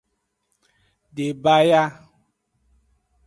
Debaya.